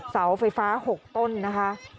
เสาไฟฟ้า๖ต้นนะคะ